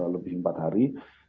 lebih empat hari